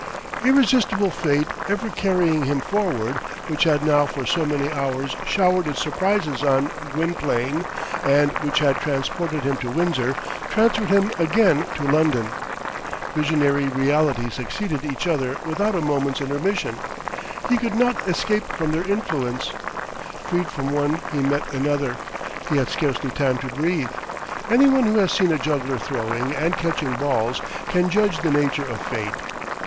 Irresistible Fate ever carrying him forward, which had now for so many hours showered its surprises on Gwynplaine, and which had transported him to Windsor, transferred him again to London. Visionary realities succeeded each other without a moment's intermission. He could not escape from their influence. Freed from one he met another. He had scarcely time to breathe. Any one who has seen a juggler throwing and catching balls can judge the nature of fate.